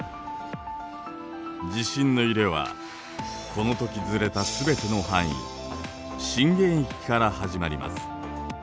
地震の揺れはこの時ずれた全ての範囲震源域から始まります。